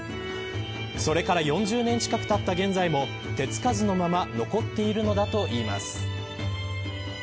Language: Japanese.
それから４０年近くたった現在も手付かずのまま残っているのだといいます。